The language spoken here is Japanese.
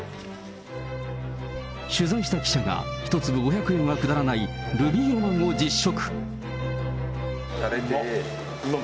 取材した記者が、１粒５００円は下らないルビーロマンを実食。